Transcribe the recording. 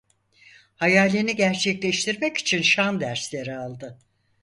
Hayalini gerçekleştirmek için şan dersleri aldı.